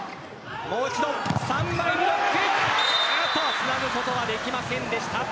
つなぐことはできませんでした。